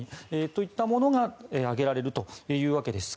といったものが挙げられるというわけです。